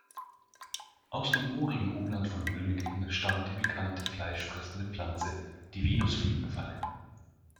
Aus dem moorigen Umland von Wilmington stammt die bekannte fleischfressende Pflanze, die Venusfliegenfalle.